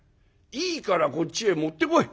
いいからこっちへ持ってこい。